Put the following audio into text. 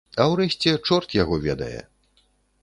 А ўрэшце, чорт яго ведае!